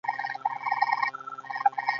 عناب د فراه نښه ده.